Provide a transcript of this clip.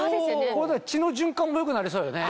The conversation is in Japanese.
これで血の循環も良くなりそうよね。